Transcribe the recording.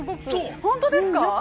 ◆本当ですか。